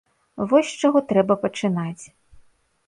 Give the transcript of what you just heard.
Вось з чаго трэба пачынаць.